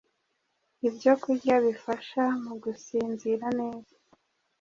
ibyo kurya bifasha mu gusinzira neza